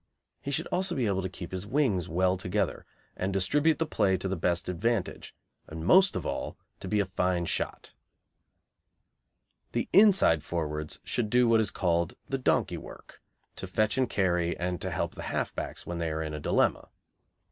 He should also be able to keep his wings well together, and distribute the play to the best advantage, and most of all to be a fine shot. The inside forwards should do what is called "the donkey work," to fetch and carry, and to help the half backs when they are in a dilemma.